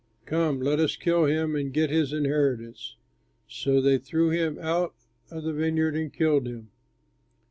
Come, let us kill him and get his inheritance.' So they threw him out of the vineyard and killed him.